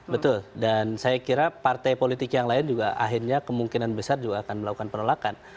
betul dan saya kira partai politik yang lain juga akhirnya kemungkinan besar juga akan melakukan penolakan